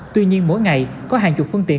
tuy nhiên mỗi ngày có hàng chục phương tiện